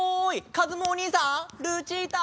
かずむおにいさんルチータ！